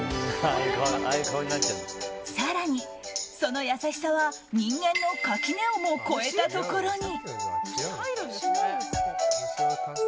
更に、その優しさは人間の垣根をも越えたところに。